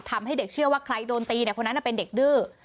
ทำให้เด็กเชื่อว่าใครโดนตีคนนั้นเป็นเด็กดื้อ